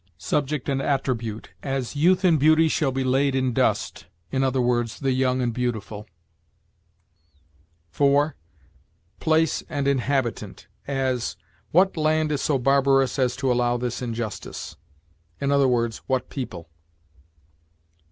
3. Subject and attribute; as, 'Youth and beauty shall be laid in dust,' i. e., the young and beautiful. 4. Place and inhabitant; as, 'What land is so barbarous as to allow this injustice?' i. e., what people. 5.